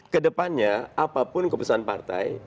kedepannya apapun kebesaran partai